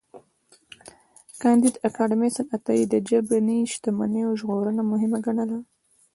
کانديد اکاډميسن عطايی د ژبني شتمنیو ژغورنه مهمه ګڼله.